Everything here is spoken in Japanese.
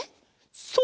そう！